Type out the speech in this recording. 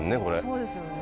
そうですよね。